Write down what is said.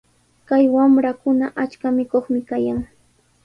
Kay wamrakunaqa achka mikuqmi kayan.